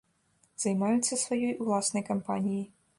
Займаюцца сваёй уласнай кампаніяй.